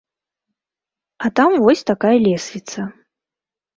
А там вось такая лесвіца.